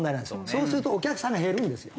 そうするとお客さんが減るんですよ。